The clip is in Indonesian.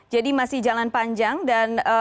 masih jalan panjang dan